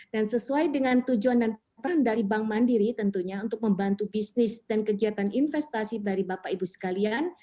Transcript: dan sesuai dengan tujuan dan peran dari bank mandiri tentunya untuk membantu bisnis dan kegiatan investasi dari bapak ibu sekalian